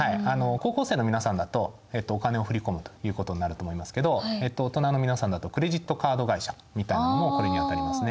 高校生の皆さんだとお金を振り込むということになると思いますけど大人の皆さんだとクレジットカード会社みたいなのもこれに当たりますね。